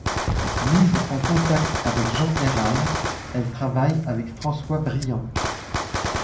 Mise en contact avec Jean Ayral, elle travaille avec François Briant.